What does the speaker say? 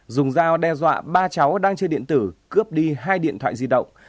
dùng dao đe dọa ba cháu đang chơi điện tử cướp đi hai điện thoại di động